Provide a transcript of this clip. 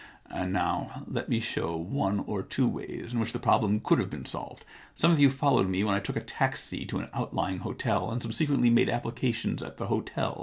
And now let me show one or two ways in which the prob lem could have been solved. Some of you followed me when I took a taxi to an out lying hotel, and subsequently made applica tions at the hotel.